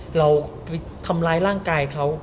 เฮ้ยเราไปทำลายร่างกายเขา